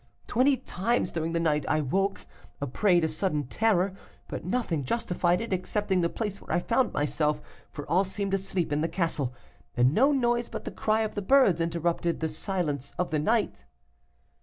Twenty times during the night I woke, a prey to sudden terror; but nothing justified it, excepting the place where I found myself, for all seemed asleep in the castle, and no noise but the cry of the birds interrupted the silence of the night.